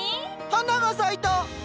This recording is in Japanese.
花が咲いた！